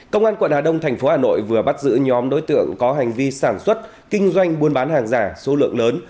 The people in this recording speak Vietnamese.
công an quận hà đông thành phố hà nội vừa bắt giữ nhóm đối tượng có hành vi sản xuất kinh doanh buôn bán hàng giả số lượng lớn